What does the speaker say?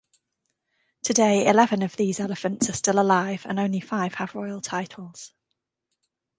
Today eleven of these elephants are still alive and only five have royal titles.